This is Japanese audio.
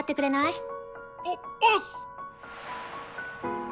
お押忍！